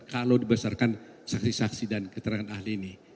kalau dibesarkan saksi saksi dan keterangan ahli ini